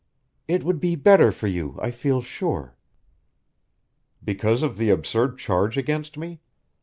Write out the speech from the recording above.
"It would be better for you, I feel sure." "Because of the absurd charge against me?